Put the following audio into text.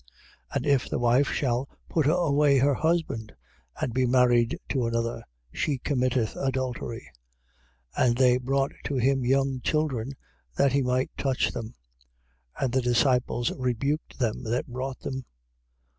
10:12. And if the wife shall put away her husband and be married to another, she committeth adultery. 10:13. And they brought to him young children, that he might touch them. And the disciples rebuked them that brought them.